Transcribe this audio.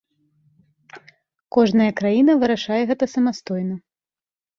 Кожная краіна вырашае гэта самастойна.